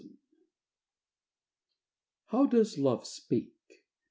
How does Love speak?